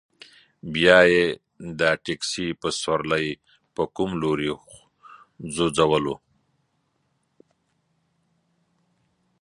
بیا یې د تکسي په سورلۍ په کوم لوري ځوځولو.